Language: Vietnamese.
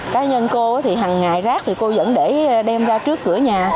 cá nhân cô thì hằng ngày rác thì cô dẫn để đem ra trước cửa nhà